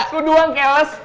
lu doang keles